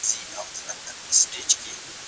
هغه انجنیر وویل چې دا روبوټ د اوبو لاندې کار کوي.